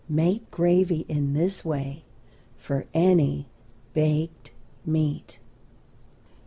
Make gravy in this way for any baked meat.